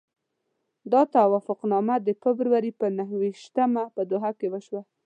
دا توافقنامه د فبروري پر نهه ویشتمه په دوحه کې وشوه.